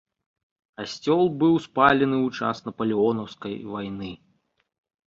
Касцёл быў спалены ў час напалеонаўскай вайны.